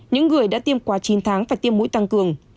những người đã tiêm quá chín tháng phải tiêm mũi tăng cường